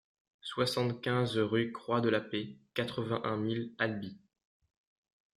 soixante-quinze rue Croix de la Paix, quatre-vingt-un mille Albi